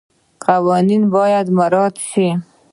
قوانین باید مراعات شي.